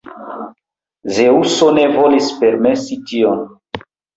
Zeŭso ne volis permesi tion.